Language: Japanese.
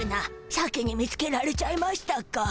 先に見つけられちゃいましたか。